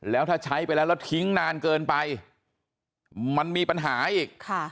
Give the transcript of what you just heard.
แล้วถ้าใช้ไปแล้วแล้วทิ้งนานเกินไปมันมีปัญหาอีก